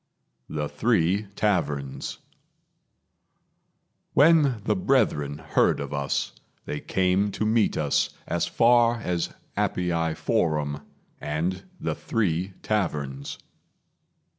The Three Taverns When the brethren heard of us, they came to meet us as far as Appii Forum, and The Three Taverns.